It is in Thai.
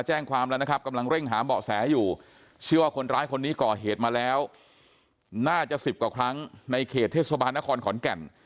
เชื่อว่าคนร้ายคนนี้ก่อเหตุมาแล้วน่าจะสิบกว่าครั้งในเขตเทศบาลนครขอนแก่น